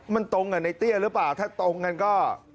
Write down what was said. มันตรงกับในเตี้ยหรือเปล่าถ้าตรงกันก็